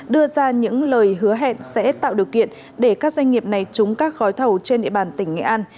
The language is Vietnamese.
đưa ra những lời hứa hẹn sẽ tạo điều kiện để các doanh nghiệp này trúng các gói thầu trên địa bàn tỉnh nghệ an